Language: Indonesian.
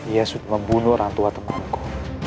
ia sudah membunuh orangtua temanku